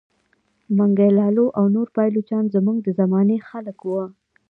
منګی لالو او نور پایلوچان زموږ د زمانې خلک وه.